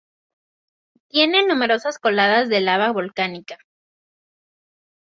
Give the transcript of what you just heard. Tiene numerosas coladas de lava volcánica.